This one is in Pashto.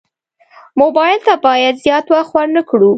موبایل ته باید زیات وخت ورنه کړو.